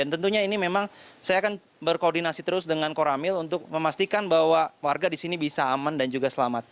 dan tentunya ini memang saya akan berkoordinasi terus dengan koramil untuk memastikan bahwa warga di sini bisa aman dan juga selamat